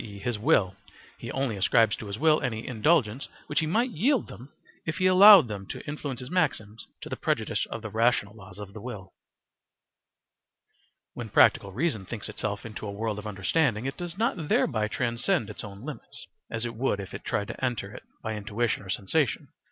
e., his will: he only ascribes to his will any indulgence which he might yield them if he allowed them to influence his maxims to the prejudice of the rational laws of the will. When practical reason thinks itself into a world of understanding, it does not thereby transcend its own limits, as it would if it tried to enter it by intuition or sensation.